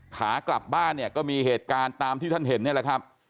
ขากลับบ้านเนี่ยก็มีเหตุการณ์ตามที่ท่านเห็นนี่แหละครับ